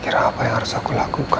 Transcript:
kira apa yang harus aku lakukan